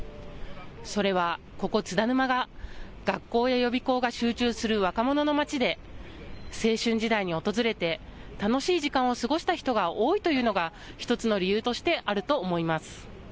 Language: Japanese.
それはここ津田沼が学校や予備校が集中する若者の街で青春時代に訪れて楽しい時間を過ごした人が多いというのが１つの理由としてあると思います。